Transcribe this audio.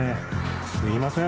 すいません。